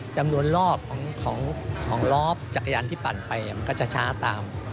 จำนวนรอบของรอบจักรยานที่ปั่นไปมันก็จะช้าตาม